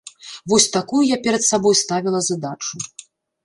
Вось такую я перад сабой ставіла задачу.